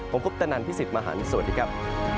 ผมคุปตะนันพี่สิทธิ์มหันฯสวัสดีครับ